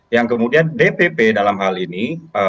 yang kemudian dpp dalam hal ini